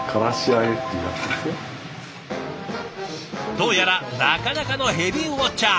どうやらなかなかのヘビーウォッチャー。